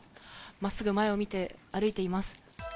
まっすぐ前を見て歩いています。